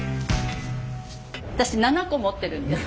私７個持ってるんです。